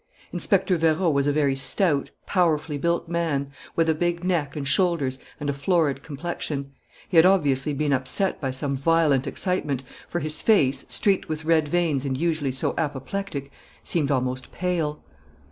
Inspector Vérot was a very stout, powerfully built man, with a big neck and shoulders and a florid complexion. He had obviously been upset by some violent excitement, for his face, streaked with red veins and usually so apoplectic, seemed almost pale.